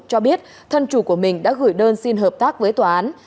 cho biết thân chủ của mình đã gửi đơn xin hợp tác với tòa án